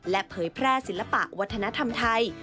และเผยแพร่ศิลปะวัฒนธรรมไทย